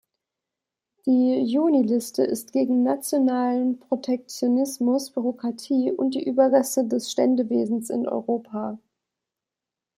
Die Juniliste ist gegen nationalen Protektionismus, Bürokratie und die Überreste des Ständewesens in Europa.